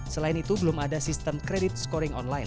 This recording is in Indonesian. selain itu belum ada sistem kredit scoring online